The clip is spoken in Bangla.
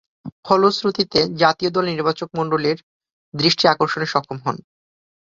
ফলশ্রুতিতে, জাতীয় দল নির্বাচকমণ্ডলীর দৃষ্টি আকর্ষণে সক্ষম হন।